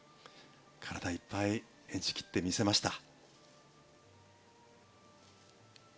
体いっぱい演じ切ってみせました。